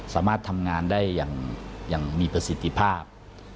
สามารถทำงานได้อย่างมีประสิทธิภาพ